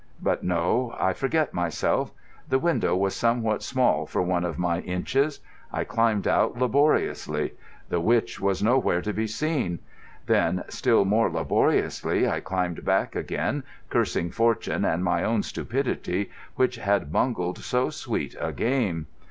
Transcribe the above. But no, I forget myself. The window was somewhat small for one of my inches. I climbed out laboriously. The witch was nowhere to be seen. Then, still more laboriously, I climbed back again, cursing Fortune and my own stupidity which had bungled so sweet a game.